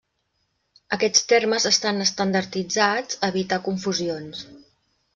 Aquests termes estan estandarditzats evitar confusions.